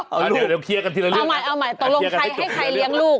เอาใหม่ตรงให้ใครเลี้ยงลูกค่ะ